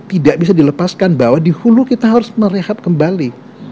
tidak bisa dilepaskan bahwa di hulu kita harus merehab kembali